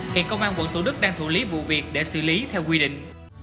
hiện công an quận thủ đức đang thủ lý vụ việc để xử lý theo quy định